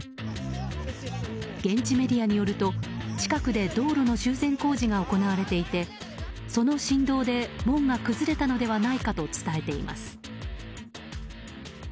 現地メディアによると近くで道路の修繕工事が行われていて、その振動で門が崩れたのではないかと伝えています。